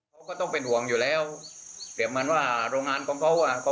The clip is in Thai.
เขาก็ต้องเป็นห่วงอยู่แล้วแต่เหมือนว่าโรงงานของเขาอ่ะ